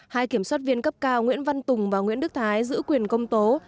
hai kiểm soát viên cấp cao nguyễn văn tùng và nguyễn đức thái giữ quyền công tố